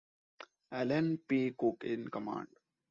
Allen P. Cook in command.